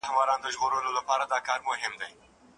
ادبي غونډې د پوهې کچه لوړوي.